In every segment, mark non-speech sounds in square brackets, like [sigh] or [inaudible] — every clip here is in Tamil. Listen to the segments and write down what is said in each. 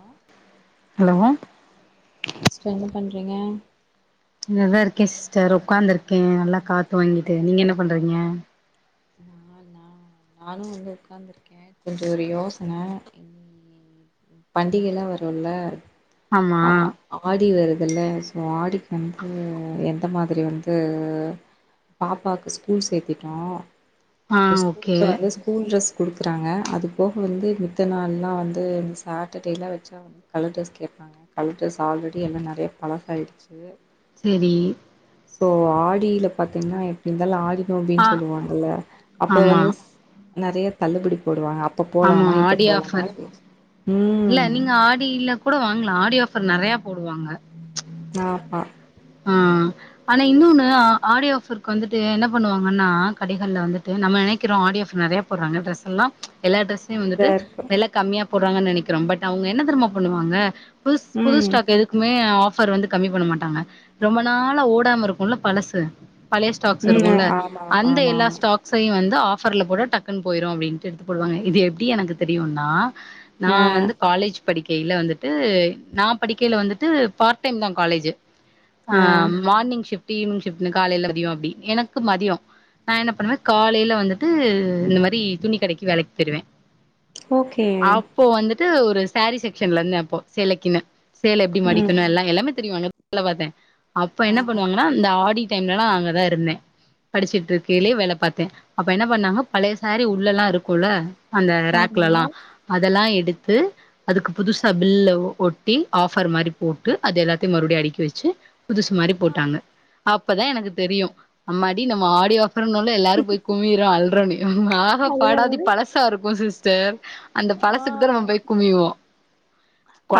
ஆ ஹலோ சிஸ்டர் என்ன பண்றீங்க நல்லா இருக்கேன் சிஸ்டர் உக்க்காந்து இருக் கே நல்லா காத்து வாங்கி த நீங்க என்ன பண்றீங்க நா நா நானு வந்து உட்காந்திருக்கே கொஞ்ச ஒரு யோசன இனி பண்டிகெல்லா வருல்ல ஆமா ஆ ஆடி வருது வெல்லேஸ் உ ஆடிக் வந்து எந்த மாதிரி வந்து பாப்பாக்கு ஸ்கூல் சேத்திட்டோ ஆ சோ ஓகே ஸ்கூல்ல வந்து ஸ்கூல் டிரஸ் குடுக்குறாங்க அது போக வந்து மித்த நாள்லா வந்து இந்த சேட்டர்டேலா வச்சா வந்து கலர் டிரஸ் கேப்பாங்க கலர் டிரஸ் ஆல்ரெடி எல்லா நெறைய பழசாயிடுச்சு செரி சோ ஆடியில பாத்தீங்ன்னா எப்டி இருந்தாலு ஆடி ஆ நோம்பினு சொல்லுவாங்கல்ல அப்ப ஆமா வந்து நெறைய தள்ளுபடி போடுவாங்க அப்ப ஆமா போலாமா இப்ப ஆடி போலாமா ஆஃபர் இல்ல ம் நீங்க ஆடியில கூட வாங்கலா ஆடி ஆப் ஃபர் நெறைய போடுவாங்க ஆப்பா ஆ ஆனா இன்னொண்ணு ஆடி ஆஃப்ர்க்கு வந்துட்டு என்ன பண்ணுவாங்கன்னா கடைகள்ல வந்துட்டு நம்ம நெனைக்கிறோ ஆடி ஆஃப் நெறைய போட்றாங்க ட்ரெஸ் எல்லா ச் எல்லா டிரெஸையு இதா வந்துட்டு இருக்கு வெல கம்மியா போட்றாங்கன்னு நினைக்கிறோம் பட் அவங்க என்ன தெரிம்மா பண்ணுவாங்க புதுஸ் புது ம் ஸ்டாக் எதுக்குமே ஆஃப் ஃபர் வந்து கம்மி பண்ண மாட்டாங்க ரொம்ப நாளா ஓடாம இருக்குல்ல பழசு பழைய ஸ்டாக்ஸ் ம் இருக்குல்ல ஆமா அந்த ஆமா எல்லா ஆமா ஸ்டாக்ஸையு வந்து ஆப் ஃபர்ல போட்டா டக்குனு போய்ரு அப்டின்ட்டு எடுத்துப்போடுவாங்க இது எப்டி எனக்கு தெரியுன்னா நா ஆ வந்து காலேஜ் படிக்கையில வந்துட்டு நா படிக்கையில வந்துட்டு பார்ட் டைம் தா காலேஜ்ஜு ஆ மார்னிங் ஷிப்ட் டிவ்னிங் ஷிப்ட்னு காலையில மதிய அப்டி எனக்கு மதிய நா என்ன பண்ணுவே காலையில வந்துட்டு இந்த மாரி துணி கடைக்கு வேலைக்கு போய்ருவே ஓகே டு ஒரு சேரீ செக்ஷன் ல இருந்த அப்போ சேலைக்குன்னு சேலை எப்டி ம் மடிக்கணு எல்லா எல்லாமே தெரியு ல்லவாத்தே அப்ப என்ன ஆ பண்ணுவாங்கன்னா இந்த ஆடி டைம்லேல்லா அங்கதா இருந்தே படிச்சிட்டிருக்கேலே வேலை பாத்தே அப்ப என்ன பண்ணாங்க பழைய சாரி உள்ள எல்லா இருக்குல்ல அந்த ஆமா ரேக்லெல்லா அதெல்லா எடுத் த்து அதுக்கு புதுசா பில்லு ஒட்டி ஆஃபர் மாரி போட்டு அது எல்லாத்தையு மறுபடியு அடிக்கி வச்சு புதுசு மாரி போட்டாங்க அப்பதான் எனக்கு தெரியும் அம்மாாடி நம்ம ஆடி ஆப் ஆஃபர் நல்ல எல்லாரும் போய் குமிர அல்றோன்ன ஆக அது பாடாதி பழசாக இருக்கும் சிஸ் டர் அந்த பழசுக்கு தான் நம்ம போய் குமிவோம்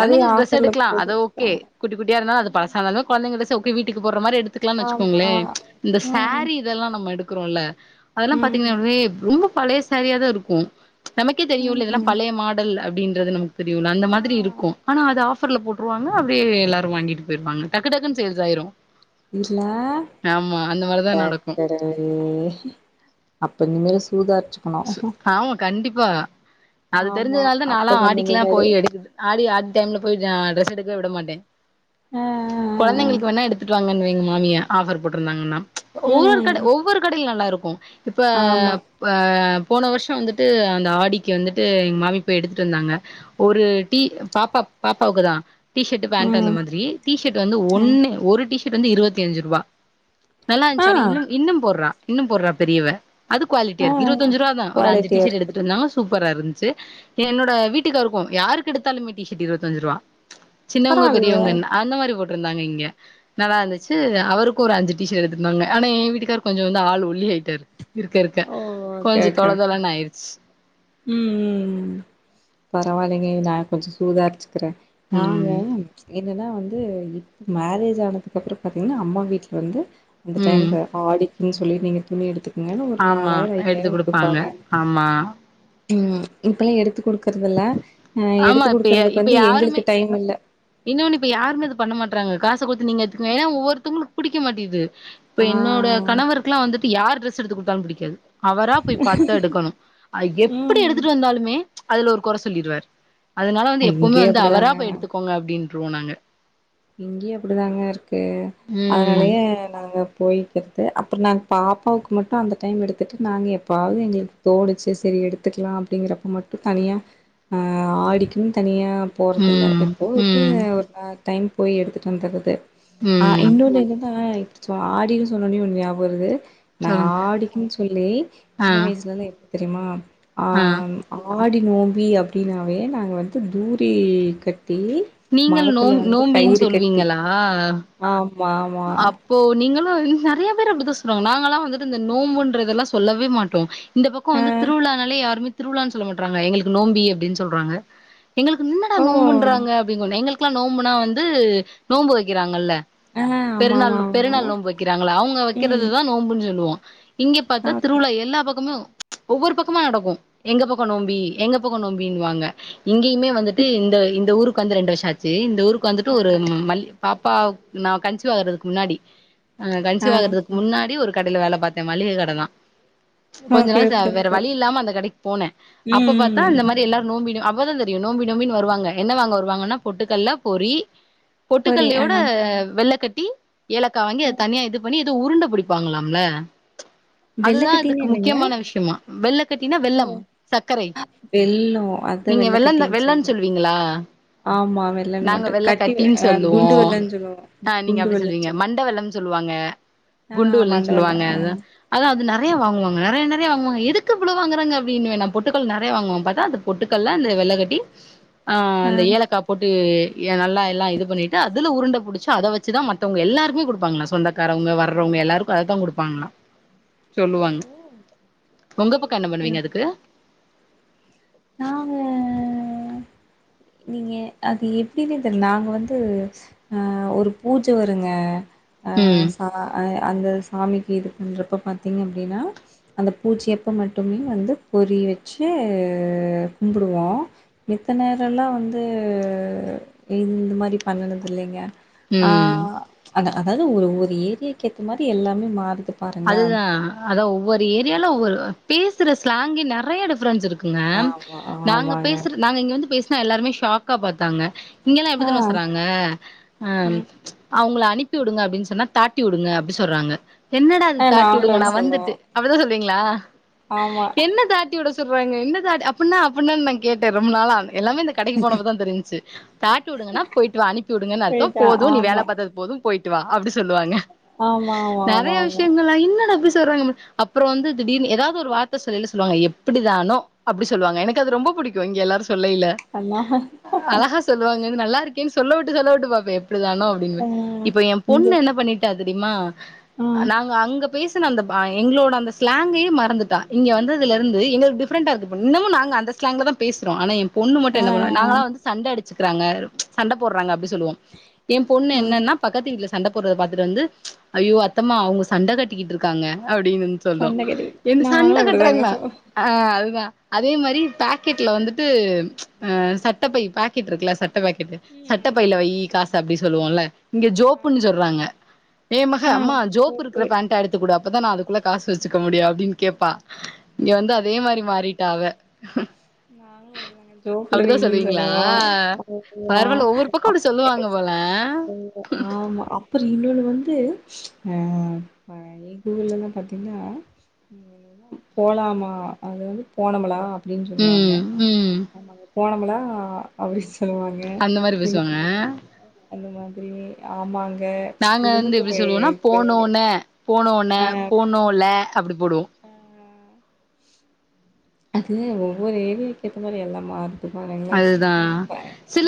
அதே டிரெஸ் ஆஃபர்ல எடுக்கலாம் அது ஓகே போட்டுட்ருக்காங்க குட்டி குட்டியா இருந்தாலும் அது பழசா இருந்தாலு ச வீட்டுக்கு போ மாதிரி எடுத்துக்கலாம்னு ஆமா வச்சுக்கோங்களே இந்த ம் சாரி இதெல்லாம் நம்ம எடுக்க க்கிறோம்ல அதெல்லாம் ம் பாத்தீங்கன்னா உே ரொம்ப பழைய சரியாதான் இருக்கு நமக்கே தெரியும் இல இதெல்லாம் ம் பழைய மாடல் அப்படின்றது நமக்கு தெரியல அந்த ஆ மாதிரி இருக்கும் ஆனா அது ஆ ஆஃபர் ல போட்ருவாங்க அப்படியே எல்லோரும் வாங்கிட்டு போயடுவாங்க டக்கு டக்குன்ன சேல்ஸ் ஆயிரும் மாரிதா இல்லட்ட நடக்கு அப்ப்சமல சூதாச்சு கணும் ஆமா கண்டிப்பா அது தெரிஞ்சதுனால தான் அப்ப நல்லாம் நம்ம ஆடிக்கெல்லா முன்னாடி போய் எடுக்குது ஆடி ஆடி போ டிரஸ் எடுக்கவே விட மாட்டே ஆ ஆ குழந்தைங்களுக்கு வேணா எடுத்துட்டு வாங்கன்னு வே எங்க மாமிய ஆஃபர் போட்ருந்தாங்கண்ணா ஆ ஒவ்வொரு ம் கடை ஒவ்வொரு கடில நல்லா இருக்கு கும் இப்ப ஆமா போன வருஷம் வந்துட்டு அந்த ஆடிக்கு வந்துட்டு எங்க மாமிப்போய் எடுத்துட்டு வந்தாங்க ஒரு டீ பாப்பா பாப்பாவுக்குதான் டீஷர்ட் பேண்ட் அந்த ம் மாதிரி டிீஷர்ட் வந்து ஒண்ணு ஒரு டீஷ்ட் வந்து இருபத்தி அஞ்சு ரூபாய் நல்லா ஆ இருந்துச் இன்னும்ன்னும் போட்றா இன்னு போற்றா பெரியவ அது ஆ குவாலிட்டியார்க் இரு த்தஞ்சூருவா தா ஒரு அஞ்சு குவாலிட்டியா டீஷட் இருக்கு எடுத்துட்டு வந்னா சூப் ப்ரா இருந்சு என்னோட வீட்டுக்காருக்கோ யாருக்கெடுத்தாலுமே டிஷட்டு இருவத்தஞ்ச்ருவா சின்னவங்க பரவாயில்லையே பெரியவங்கன அந்த மாரி போட் றுந்தாங்க இங்க நல்லா இருந்துச்சு அவருக்கு ஒரு அஞ்சு டீஷட் எட்த்துர்ந்தாங்க ஆனா எ வீட்டுக்கார் கொஞ்சொ வந்து ஆள் ஒல்லி ஆய்ட்டாரு இருக்க இருக்க ஓ ஓகே கொஞ்சொ ஓகே ஓகே தொலதொலன் ஆய்ருச் ம் பரவாலிங்க நா கொஞ்சொ சூதார்ச் க்ற நாங்க ம் ச்ச் என்னெனா வந்து இப் மேரேஜ் ஆனதுக்கு அப்றொ பாத்தீங்னா அம்மா வீட்ல வந்து அந்த ம் டைம்ல ஆடி நீங் சொல்லீர்ந்தீங்க துணி எடுத்து ஆமா எடுத்து குடுப்பாங்க ஆமா ம் இப்பலா எடுத்து குடுக்கற்தில்ல அ ஆமா எடுத்து இப்ப குடுக்கற்துக் இப்ப வந்து யாருமே எங்ளுக்கு டைம் இல்ல இன்னொன்னு இப்ப யாருமே இது பண்ண மாட்றாங்க காசு குத்து நீங்க எத்துங்க ஏனா ஒவ்வொருத்குளுக் புடிக்க மாட்டிது இப்ப ஆ என்னோட கணவர்க்லா வந்துட்டு யாரு ட்ரெ ஸ் எடுத்து குட்தாலு புடிக்காது அவரா போய் பாத்தா எடுக்கணு அ எப்பிடி ம் எடுத்துட்டு வந்தாலுமே ச்ச் அதுல ஒரு கொற சொல்லிருவார் அதனால வந்து எப்புமே இங்கேயு வந்து அவரா அப்டிதாங்க போய் எடுத்துக் ப்டின்ருவோ நாங்க இங்க்யே அப்பிடிதாங்க இருக்கு ம் அதனாலயே நாங்க போ போய் பத்து அ ப்ற நாங் பாப்பாவுக்கு மட்டு அந்த டைம் எடுத்துட்டு நாங்க எப்பாவ்து எங்ளுக் தோனுச்சு செரி எடுத்துக்லா அப்டிங்கிறப்பு மட்டு தனியா ஆடிக்குன் தனியா போறதில்ல ம் எப்போவது ம் ஒரு நாள் டைம் போய் எடுத்துட்டு வந்துற்றது அ ம் இன்னொன்னு என்னனா சோ ஆடினு சொன்னொன்யு ஒண் ஞாப் வருது நாங்க சொல்லுங்க ஆடிகின் சொல்லி ஆ சின்ன வய்ஸ்லலா எப்டி தெரிமா ஆ ம் [inaudible] ஆடி நோம்பி அப்டினாவே நாங்க வந்து தூரி கட் தீ மரத்துல வந் நோம்பீன் சொல்லுவீங்களா ஆமா ஆமா அப்போ நீங்களு ஓ இங் நெறைய பேரு அப்டிதா சொல்றாங்க நாங்கல்லா வந்துட்டு இந்த நோம்புன்றதெல்லா சொல்லவே மாட்டோ இந்த பக்கோ ஆ வந்து திருவிழானாலே யாருமே திருவிழான் சொல்ல மாட்றாங்க எங்களுக்கு நோம்பி அப்டின் சொல்றாங்க எங்களுக்கு என்னடா ஓ நோம்புன்றாங்க அப்டிங்கு எங்கள்க் க்ளா நோம்புனா வந்து நோம்பு வக்கிறாங்கள்ல ஆ ஆமா ஆமா பெருநாள்னு ஆமா பெருநாள் நோம்பு வக்கிறாங்களா அவ்ங்க ம் வக்கிறததா நோம்புன் சொல்லுவோ இங்கெ பாத்தா ஓகே திருவிழா எல்லா பக்கமு ஒவ்வொரு பக்கமா நடக்கு எங்க பக்க நோம்பி எங்க பக்க நோம்பினுவாங்க இங்கேயுமே வந்துட்டு இந்த இந்த ஊருக் கு வந்து ரெண்டு வர்ஷ ஆச்சு இந்த ஊருக் கு வந்துட்டு ஆ ஒரு மல்லி பாப்பாவுக் நா கன்சி சிவாகறதுக்கு முன்னாடி அ ஆ கன்சிவாகறதுக்கு முன்னாடி ஒரு கடைல வேல பாத்தே மளிக கட தா கொஞ்ச ஓகே நாள் ச ஓகே வேற ஓகே வழி இல்லாம அந்த கடைக்கு போனே ம் அப்ப பாத்தா ம் அந்த மாரி எல்லாரு நோம்பி நோ அம் அப்பதா தெரியு நோம்பி நோம்பின் வருவாங்க என்ன வாங்க வருவாங்கனா பொட்டுக்கட்ல பொரி புரி ஆ பொட்டுக்கல்லையோட வெல்லக் கட் டி ஏலக்கா வாங்கி அத தனியா இது பண்ணி எதோ உருண்ட புடிப்பாங்களாம்ல வெல்லக்கட்டினா என்னங்க விஷயமா வெள்ளக்கட்டினா ஓ வெல்லம் சர்க்கரை வெல்லோ அதா நீங்க வெல்லக் கட்டி வெள்ளந்தா வெல்லன்னு சொல்றீங் சொல்லுவீங்களா ஆமா வெல்லன்னு நாங்க மட்டு கட்டி வெ வெள்ளக்கட்டின்னு ஆ குண்டு வெல்லனு சொல்லுவா குண்டு ப்டி வெல்லன்னு சொல்லுவீங்க சொல்லுவோ மண்டவெல்லம்னு சொல்லுவாங்க ஆ குண்டு வெல்லன் மண்டவெல்ல சொல்லுவாங்க ஆ அதுதா அதா அது நெற நெறையா வாங்குவாங்க நெறையா நெறையா வாங்குவாங்க எதுக்கு இ்வ்ளோ வாங்குறாங்க அப்டின்னுவே நா பொட்டுக்கட்ல நெறையா வாங்குவாங் பாத்தா அந்த பொட்டுக்கட்ல அந்த வெல்லக்கட்டி ஆ அந்த ஏலக்கா போட்டு ஏ நல்லா எல்லா இது பண்ணிட்டு அதுல உருண்ட புடிச்சு அத வச்சுதா மத் த்தவங்க எல்லாருக்குமே குடுப்பாங்ளா சொந்தக்காரவ்ங்க வர்றவ்ங்க எல்லாருக்கு அததா குடுப்பாங்ளா சொல்லுவாங்க ஓ ஓ ஒங்க பக்க என்ன பண்ணுவீங்க அதுக்கு நானு நீங்க அது எப்டின்னே தெர்ல நாங்க வந்து அ ஒரு பூஜ வருங்க ஆ ம் ச அ அந்த சாமி இது பண்றப்ப பாத்தீங்க அப்டின்னா அந்த பூசையப்ப மட்டுமே வந்து பொரி வெச்சு கும்புடுவோ மித்த நே த்லல்லா வந்து இந்து மாரி பண்ணுணதுல்லைங்க ஆ ம் அத அதாது ஒரு ஒரு ஏரியாக்கு ஏத்த மாரி எல்லாமே மாறு அதுதா அதா ஒவ் ஒரு ஏரியால ஒவ்வொரு பேசுற ஸ்லாங்கே நறைய டிஃப் ப்ரன்ஸ் இருக்குங்க ஆமா நாங்க ஆமாங்க பேசுற நாங்க இங்க வந்து பேசுர் எல்லாருமே ஷாக்கா பாத்தாங்க இங்கலா எப்டி ஆ தெரிமா சொல்றாங்க அ அவுங்ள அனுப்பிவுடுங்க அப்டின் சொன்னா தாட்டி உடுங்க அப்டி சொல்றாங்க என்னடா அது ஆ தாட்டி நாங்கள உடுங்க விட நா சொல்லுவோ வந்துட்டு அப்டிதா சொல்வீங்ளா ஆமா என்ன தாட்டிஉடு துல்றாங்க என்னது அது அப்புட்னா அப்புட்னா நா கேட்டே ரொம்ப நாளா நானு எல்லாமே இந்த கடைக்கு போனப்பதா தெரிஞ்ச்சு தாட்டி உடுங்கனா போயிட்டு வா அனுப்பி உடுங்கனு அர்த்த போயிட்டா போது நீ ஆமா வேல பாத்தது போது போயிட்டு வா அப்டி சொல்லுவாங்க ஆமா ஆமா ஆமா ஆ விஷயங்களா இன்னடா இப் சொல்றாங்க அப்புற வந்து திடீர்னு எதாது ஒரு வார்த்த சொல்லைல சொல்லுவாங்க எப்டி தானோ அப்படி சொல்லுவாங்க எனக்கு அது ரொம்ப புடிக்கு இங்க எல்லாரும் சொல்லைல அண்ணா அழகா சொல்லுவாங்க இது நல்லாருக்கேனு சொல்ல விட்டு சொல்ல விட்டு பாப்பே அப்டினு தானோ அப்படிப் ப ஆ இப்ப எ இங்க பொண்ணு என்ன பண்ணிட்டா தெரிமா ஆ நாங்க அங்க பேசுன அந்த ப- எங்ளோட அந்த ஸ்லாங்கயே மறந்துட்டா இங்க வந்ததுல இருந்து எங்க டிஃப் ரெண்டா இருக்கு இன்னும் நாங்க அந்த ஸ்லாங்லதா பேசுறோ ஆனா எ பொண்ணு மட்டு ஆ என்ன பன்னுவா நாங்களா வந்து சண்ட அடி ச்சுக்றாங்க சண்ட போட்றாங்க அப்டி சொல்லுவோ என் பொண்ணு ஆ என்னன்னா பக்கத்து வீட்ல சண்ட போடுறத பாத்தட்டு வந்து ஐயோ அத்தமா அவுங்க சண்ட கட்டிக்கிட்டு இருக்காங்க அப்டினு வந்து சொல்லும் சண்ட கட்டிக்கிட்டு என் நாங்களு சண்ட அப்டிதாங்க கட்றாங்களா சகோ ஆ அதுதான் அதே மாரி பாக்கெட்ல வந்துட்டு அ சட்டப்பை பாக்கெட் இருக்குல்ல சட் பாக்கெட்டு ம் சட்ட பைல வை ஆமாங்க காச அப்டி சொல்லுவோல இங்க ஆ ஜோப்புன்னு சொல்றாங்க ஏ மக ஆ அம்மா ஜோப்பு சேர் இருக்குற சேர் பேண்ட்டா எடுத்து குடு அப்பதா நா அதுக்குள்ள காசு வச்சுக்க முடியு அப்டினு கேட்பா இங்க வந்து அதே மாரி மாறிட்டா அவ நாங்களும் அப்பதாங்க அப்டிதா ஜோப்லு சொல்லுவீங்களா சொல்லோம் பரவால்ல ஒவ்வொரு பக்கோ அப்டி சொல்லுவாங்க போல ஆமா அப்புறம் இன்னொ வந்து வந்து ஆ எங்க ஊர்ல பார்த்தீங்கன்னா போலாமா அத வந்து போனாங்கல சொல்லுவாங்க ம் ம் ஆமா போனமுலாம் அப்படிச்ச சொல்லுவாங்க அந்த மாரி என்னீ பேசுவாங்க அந்த மாதிரி ஆமாங் நாங்க வந்து எப்படி சொல்லுவோம்னா ஒரு போனோனே போனோ ஆ போனோல அப்படிின் கூப்படுோ ஆ அது ஒவ்வொரு ஏரியாக்கு ஏத்த மாரி எல்லா மாறு எத்து [unintelligible] பாருங்களே அதுதா என்னப்ப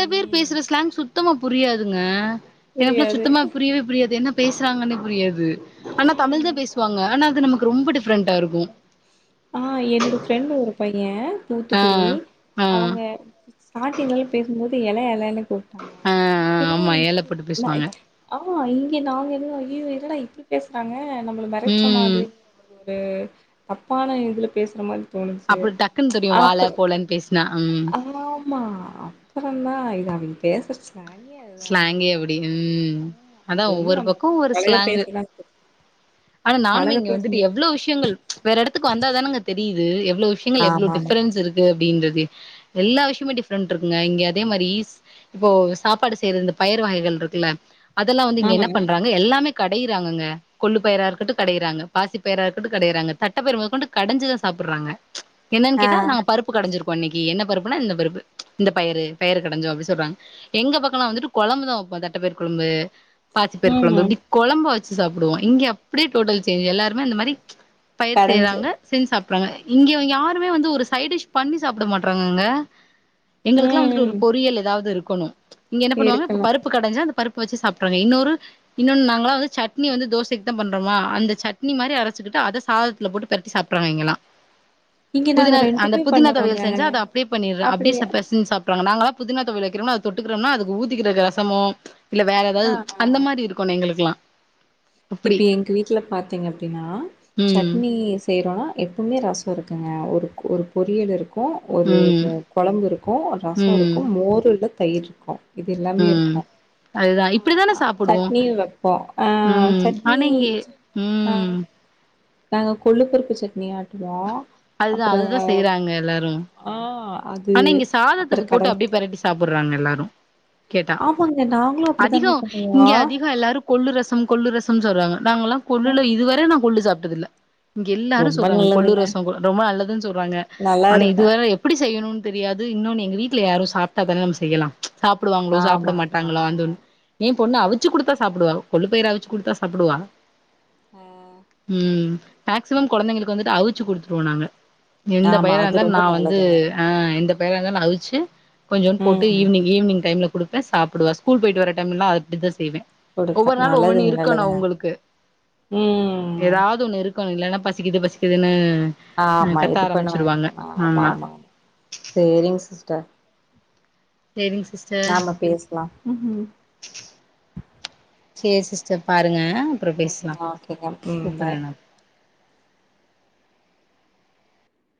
ம் சுத்தம புரியாதுங்க எனக்குல்லா புரியாது சுத்தமா புரியவே புரியாது என்ன பேசுறாங்கன்னே புரியாது து ஆனா தமிழ் ம் தா பேசுவாங்க ஆனா அது நமக் ரொம்ப டிஃப்ரெண்டா இருக்கூ ஆ என்னோட ஃப்ரெண்ட்டு ஒரு பையே ஆ துத்துக்குடி ஆ அவுங்க ஸ்டார்ட்டிங்ல பேசும்போது எல எல ணு கூப்ட்டாங்க ஆ எனக்கு ஆமா இரு ஏல போட்டு பேசுவாங்க இப்டி ஆ இங்க நாங்க எது ஐயயோ இப்டி பேசுறாங்க நம்மளை மிரட்டுற ம் மாதிரி ஒரு அப் தப்பான இதில பேசுற மாரி அப்டி டக்குன்னு தெரியும் வாழ அப்ப போலன்னு பேசுனா ஆமா அப்பறோ தா இது அவிங் பே சார் ஸ்லாங்கே அப்டி ம் ஆ அது அதான் வந்து ஒவ்வொரு நம்ம பக்கம் ஒவ்வொரு பழக ஸ்லாங்கு பேசதா ஆனா நானும்மே பழக இங்க வந்துட்டு பேசணு எவ்வளவு விஷயங்கள் வேற இடத்துக்கு வந்தாதானுங்க தெரியிது [unintelligible] எவ்ளோ விஷயங்கள் எவ்ளோ ஆமாமா டிஃப்ரன்ஸ் இருக்கு அப்டின்றத் எல்லா விஷயமே டிஃபரெண்ட் இருக்குங்க இங்க அதே மாதிரி இப்போ சாப்பாடு சேர் இந்த பயிர் வகைகள் இருக்குல அதெல்லா வந்து இங்க என்ன ம் பண்றாங்க எல்லாமே கடையறாங்க கொல்லு பயரா இருக்கும் கடையிறாங்க பாசி பயரா இருக்கும் கடையிறாங்க தட்டப்பயர் கடஞ்சுதான் சாப்டுறாங்க என்னன்னு ஆ கேட்டா நாங்க பருப்பு கடைஞ்சிருக் இன்னனைக்கு என்ன பருப்புனா இந்த பருப்பு இந்த பயரு பயரு கடஞ்சோ அப்டினு சொல்றாங்க எங்க பக் வந்துட்டு கொழம்பு தா வைப்போ தட்டப்ப பயர் கொழம்பு பாசி பயரு கொழம்பு ம் இப்டி கொழம்புச் சாப்பிடுவோ இங்க அடியே டோட்டல் சேஞ் எல்ல இந்த மாரி பயிர் கடஞ்சு செய்றாங்க செஞ்சு சாப்ட்டு றங்க இங்க யாருமே வந்து ஒரு சைட டிஷ் பண்ணி சாப்பிட மாட்டறாங்கங்க எங்களுக்குல்லா வந்துட்டு ஒரு ம் பொறியல் ஏதாவது இருக் கொணு இங்க என்ன பண்ணுவங்க இப்ப இருக்கணு பருப்பு கடஞ்ச அந்த பருப் ப்ப வச்சு சாப்ருவாங்க இன்னொரு இன்னொன்னு நாங்களா வந்து சட்னி வந்து தோசக் தா பண்றோமா அந்த சட்னி மாதுரி அரைச்சுக்கிட்டு அத சாதத்துல போட்டு பெருத்தி சாப்ட்றாங்க இங்கல்லா இங்க நாங்க புதினா அந்த ரெண்டுமே புதினா பண்ணுவோங்க தொவயல் செஞ்சு அதை அப்டே பண்ணிற அப்டே ச அப்டியே பெசஞ் சாப்ருவாங்க நாங்களா புதினா தொவைல் வக்கிறம்ல அத தொட்டு க்குறம்னா அதுக் ஊதிக்கிறக்கு ரசமோ இல்ல வேற எதாது ஆ அந்த மாரி இருக்குணு எங்குளுக்குலா இப்ப எங்க வீட்ல பாத்தீங்க அப்டினா ம் சட்னி செய்றோனா எப்பமே ரசொ இருக் க்குங்க ஒரு ஒரு பொறியல் இரு க்கு ஒரு ம் த கொழம்பு இருக்கு ரசொ ம் இருக்கு மோருல்ல தயிருக்கு இது எல்லாமே ம் இருக்கு அதுதா இப்டிதான அ சட்னி வப்போ ஆ ஆன சட்னி இங்கே ஆ ம் நாங்க கொள்ளு பொருக்கு சட்னி ஆட்டுவோ அதுதா அப்புறோ அதுதா செய்றாங்க எல்லாரு ஆ அது ஆனா இங்க அப்புறோ சாதத்துக்கு போட்டு கடல் அப்டியே பெரட்டி சாப்புர்றாங்க எல்லாரு கேட்டா ஆமாங்க நாங்களு அதிகொ அப்படித்தாங்க பண்ணுவோ இங்கெ அதிகொ எல்லாரு கொல்லு ரசம் கொல்லு ரசம் சொல்றாங்க நாங்கல்லா கொல்லுல இதுவர நா கொல்லு சாப் ட்டதில்ல இங்க எல்லாரு ரொம்ப சொல்றாங்க கொல்லு நல்லதுங்க ரஸ் [unintelligible] ரொம்ப நல்லதுன் சொல்றாங்க நல்லா ஆனா இருக்கு இதுவர எப்டி செய்யணுன் தெரியாது இன்னொன்னு எங்க வீட்ல யாரு சாப்ட்டா தான நம்ம செய்யலா சாப்டுவாங்களோ சாப்ட ஆமா ஆமா ஆமா மாட்டாங்ளான் ஆமா தோணு இப் பொண்ணு அவிச்சு குடுத்தா சாப்டுவா கொள்ளு பைர அவிச்சு குடுத்தா சாப்டுவா ம் மேக்சிமம் குழந்தைளுக்கு வந்துட்டு அவு ச்சு குடுத்துடுவோம் நாங்க எந்த ஆமா பயிரா அது இருந்தாலும் ரொம்ப நான் வந்து நல்லதுங்க ஆ எந்தப் பயிராந்தாலும் அவிச்சு கொஞ்சோன் போட்டு ம் ஈவினி்ங் ஈவினங் டைம்ல குடுத்தா சாப்புடுவா ஸ்கூல் போயிட்டு வர டைம்முல்லா அப்புடி தா செய்வேன் குடுத்தே ஒவ்வொரு நாளும் ஒவ்வொன்னு நல்லதுங்க இருக்கணும் நல்லதுங்க அவுங்களுக்கு ம் ஏதாவது ஒண்ணு இருக் கோ இல்லன்னா பசிக்கிது பசிக்கிதுன்னு ஆமா இது பண்ணுவாங்க ஆமா ஆமா ஆம் சேரிங்க சிஸ்டர் சேரிங்க சிஸ்டர் நாம பேசலா சேரி சிஸ்டர் பாருங்க அப்புறோ ம் பேசலா ஓகே ஓகே ம் கூப்புறே பாய் நா